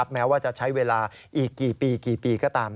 แม้ว่าจะใช้เวลาอีกกี่ปีกี่ปีก็ตาม